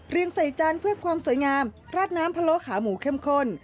ใส่จานเพื่อความสวยงามราดน้ำพะโล้ขาหมูเข้มข้น